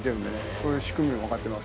そういう仕組みも分かってますし。